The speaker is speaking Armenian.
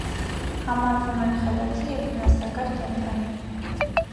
Համարվում են խելացի և վնասակար կենդանի։